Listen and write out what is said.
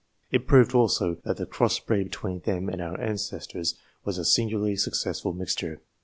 It proved, also, that the cross breed between them and our ancestors was a singularly successful mixture.